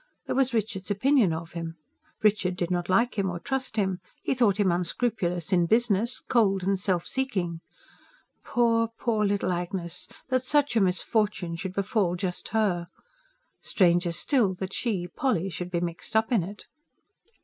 There was Richard's opinion of him: Richard did not like him or trust him; he thought him unscrupulous in business, cold and self seeking. Poor, poor little Agnes! That such a misfortune should befall just her! Stranger still that she, Polly, should be mixed up in it.